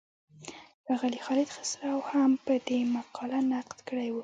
ښاغلي خالد خسرو هم پر دې مقاله نقد کړی و.